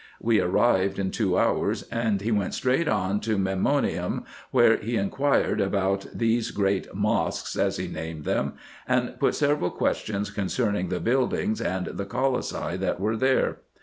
We arrived in two hours, and he went straight on to Memnonium; where he inquired about these great " mosquees," as he named them, and put several questions concerning the buildings and the colossi that are there.